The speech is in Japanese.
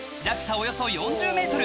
およそ４０ｍ